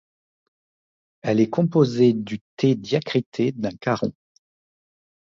Elle est composé du té diacrité d’un caron.